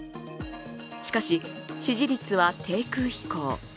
しかし、支持率は低空飛行。